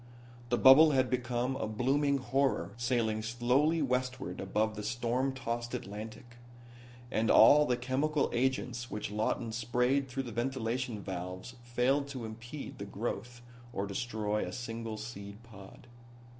The bubble had become a blooming horror sailing slowly westward above the storm tossed Atlantic. And all the chemical agents which Lawton sprayed through the ventilation valves failed to impede the growth or destroy a single seed pod.